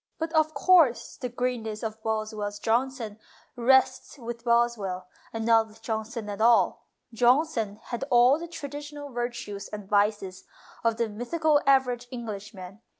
But, of course, the great ness of Boswell's Johnson rests with Boswell, and not with Johnson at all. Johnson had all the traditional virtues and vices of the mythical average Englishman.